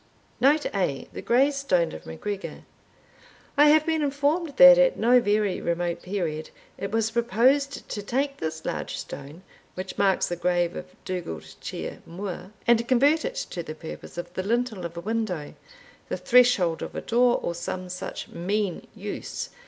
Note A. The Grey Stone of MacGregor. I have been informed that, at no very remote period, it was proposed to take this large stone, which marks the grave of Dugald Ciar Mhor, and convert it to the purpose of the lintel of a window, the threshold of a door, or some such mean use.